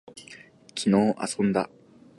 昨日遊んだ